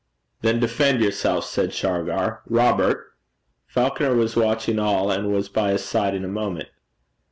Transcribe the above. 'Then defend yourself,' said Shargar. 'Robert.' Falconer was watching it all, and was by his side in a moment.